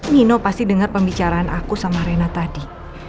nino pasti dengar pembicaraan aku sama rena tadi